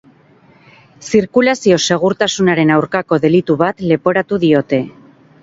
Zirkulazio-segurtasunaren aurkako delitu bat leporatu diote.